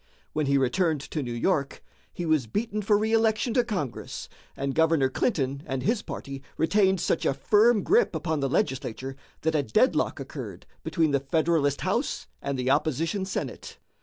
When he returned to New York, he was beaten for reëlection to Congress, and Governor Clinton and his party retained such a firm grip upon the legislature that a deadlock occurred between the Federalist House and the opposition Senate.